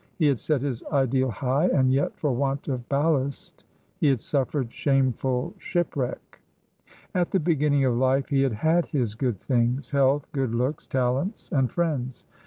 He had set his ideal high, and yet, for want of ballast, he had suffered shameful shipwreck. At the beginning of life he had had his good things health, good looks, talents, and friends.